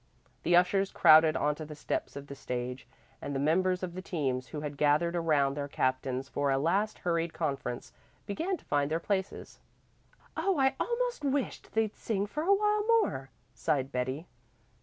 The ushers crowded onto the steps of the stage, and the members of the teams, who had gathered around their captains for a last hurried conference, began to find their places. "Oh, I almost wished they'd sing for a while more," sighed Betty.